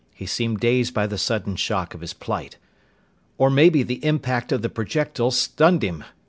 He seemed dazed by the sudden shock of his plight. "Or maybe the impact of the projectile stunned him!"